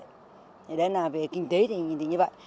thì đấy là về kinh tế thì như vậy